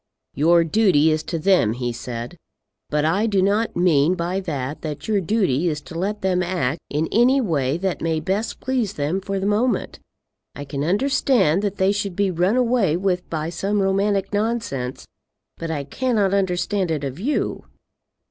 "Your duty is to them," he said; "but I do not mean by that that your duty is to let them act in any way that may best please them for the moment. I can understand that they should be run away with by some romantic nonsense, but I cannot understand it of you."